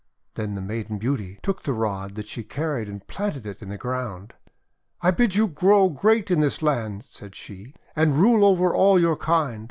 Then the Maiden Beauty took the rod that she carried, and planted it in the ground. "I bid you grow great in this land," said she, :cand rule over all your kind.